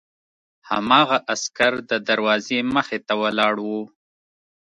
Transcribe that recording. هماغه عسکر د دروازې مخې ته ولاړ و